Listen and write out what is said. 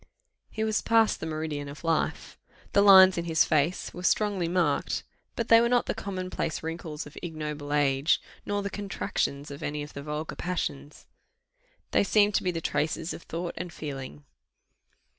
He was past the meridian of life. The lines in his face were strongly marked; but they were not the common place wrinkles of ignoble age, nor the contractions of any of the vulgar passions: they seemed to be the traces of thought and feeling.